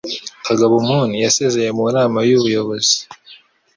Kagabo Moon yasezeye mu Nama y'Ubuyobozi